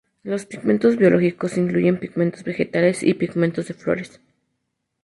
Los pigmentos biológicos incluyen pigmentos vegetales y pigmentos de flores.